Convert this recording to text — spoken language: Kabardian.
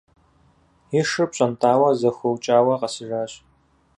И шыр пщӀэнтӀауэ, зэхэукӀауэ къэсыжащ.